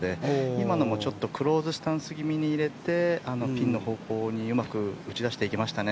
今のもちょっとクローズスタンス気味に入れてピン方向にうまく打ち出していきましたね。